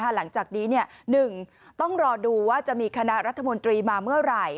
หลังจากนี้๑ต้องรอดูว่าจะมีคณะรัฐมนตรีมาเมื่อไหร่